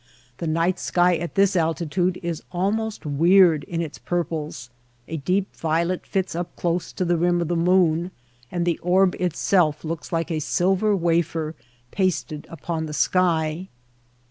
The night sky at this altitude is al most weird in its purples. A deep violet fits up close to the rim of the moon, and the orb itself looks like a silver wafer pasted upon the sky.